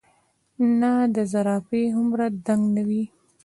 نۀ د زرافه هومره دنګ وي ،